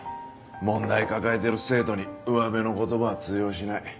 問題抱えてる生徒にうわべの言葉は通用しない。